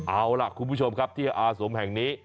เอาล่ะคุณผู้ชมครับที่อาสมแห่งนี้